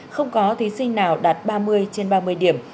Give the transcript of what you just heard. không có thí sinh nào đạt ba mươi trên ba mươi điểm